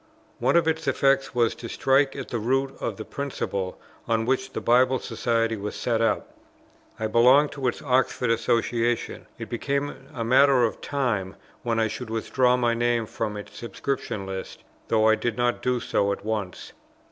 One of its effects was to strike at the root of the principle on which the Bible Society was set up. I belonged to its Oxford Association; it became a matter of time when I should withdraw my name from its subscription list, though I did not do so at once.